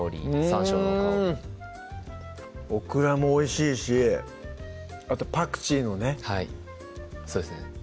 さんしょうの香りオクラもおいしいしあとパクチーのねはいそうですね